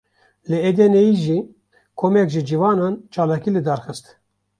Li Edeneyê jî komek ji ciwanan çalakî lidar xist